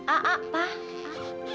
ah ah pak